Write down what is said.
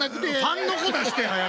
「ファンの子出して早く」。